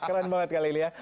keren banget kali ini ya